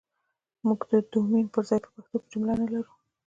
موږ ده ډومين پر ځاى په پښتو کې که جمله نه لرو